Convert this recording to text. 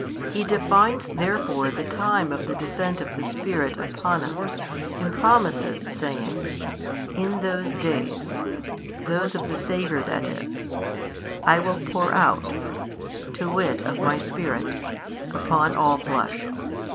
He defines therefore the time of the Descent of the Spirit upon us, and promises saying, In those days (those of the Saviour that is) I will pour out (to wit of My Spirit) upon all flesh.